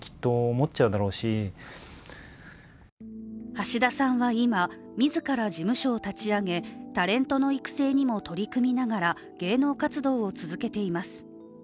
橋田さんは今、自ら事務所を立ち上げタレントの育成にも取り組みながら芸能活動を続けています。